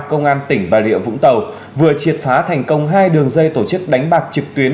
công an tỉnh bà rịa vũng tàu vừa triệt phá thành công hai đường dây tổ chức đánh bạc trực tuyến